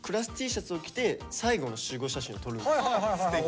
すてき。